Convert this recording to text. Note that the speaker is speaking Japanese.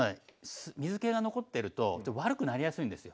水けが残ってると悪くなりやすいんですよ。